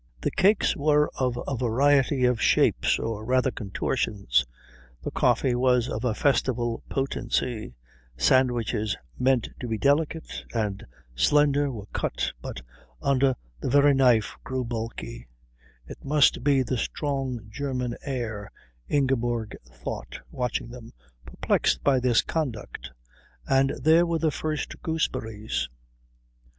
The cakes were of a variety of shapes, or rather contortions, the coffee was of a festival potency, sandwiches meant to be delicate and slender were cut, but under the very knife grew bulky it must be the strong German air, Ingeborg thought watching them, perplexed by this conduct and there were the first gooseberries.